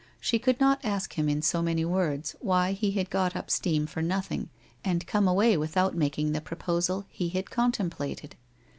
She could not ask him in so many words why he had got up steam for nothing and come away without making the proposal he had contemplated.